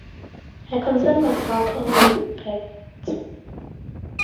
I concern myself only with facts.